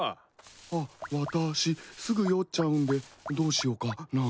あっ私すぐ酔っちゃうんでどうしようかな。